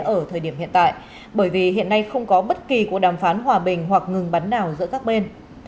ở thời điểm hiện tại bởi vì hiện nay không có bất kỳ cuộc đàm phán hòa bình hoặc ngừng bắn nào giữa các bên